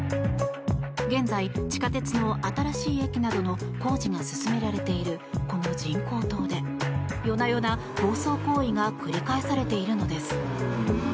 現在、地下鉄の新しい駅などの工事が進められているこの人工島で夜な夜な暴走行為が繰り返されているのです。